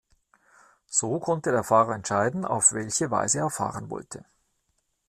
So konnte der Fahrer entscheiden, auf welche Weise er fahren wollte.